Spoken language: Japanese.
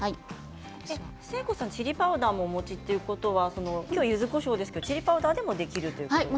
誠子さん、チリパウダーをお持ちということは今日は、ゆずこしょうですがチリパウダーでもできるということですね。